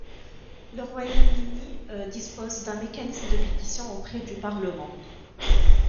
Le Royaume-Uni dispose d'un mécanisme de pétition auprès du Parlement.